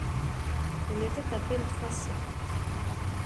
On était à peine trois cents.